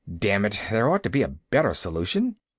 "Damn it, there ought to be a better solution."